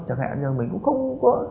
chẳng hạn như mình cũng không có